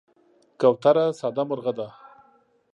کوتره ساده مرغه ده.